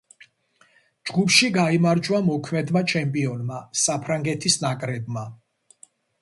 ჯგუფში გაიმარჯვა მოქმედმა ჩემპიონმა საფრანგეთის ნაკრებმა.